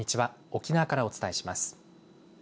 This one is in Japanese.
沖縄からお伝えします。